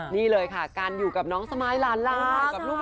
นี่เลยค่ะการอยู่กับน้องสมายหลานลากับลูก